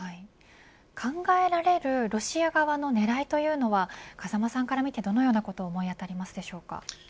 考えられるロシア側の狙いは風間さんから見てどのようなことが思い当たるでしょうか。